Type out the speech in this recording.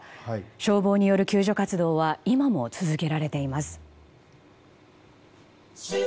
消防による救助活動は今も続けられています。